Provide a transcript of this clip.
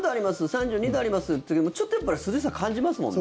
３２度ありますっていう時もちょっと涼しさ感じますもんね。